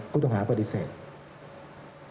พุทธหาปฤติเสริม